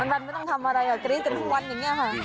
วันไม่ต้องทำอะไรกรี๊ดกันทุกวันอย่างนี้ค่ะ